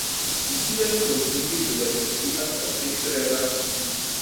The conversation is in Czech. Musíme probudit dovednosti a talenty, které v nás spí.